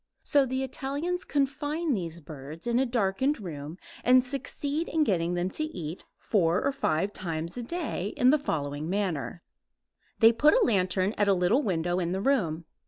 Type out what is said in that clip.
So the Italians confine these birds in a darkened room and succeed in getting them to eat four or five times a day in the following manner: They put a lantern at a little window in the room.